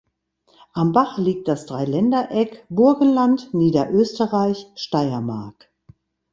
Am Bach liegt das Dreiländereck Burgenland–Niederösterreich–Steiermark.